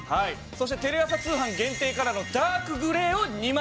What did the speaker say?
そしてテレ朝通販限定カラーのダークグレーを２枚。